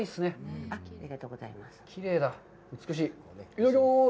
いただきます。